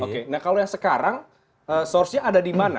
oke nah kalau yang sekarang source nya ada di mana